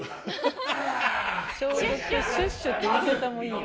消毒シュッシュって言い方もいいよね。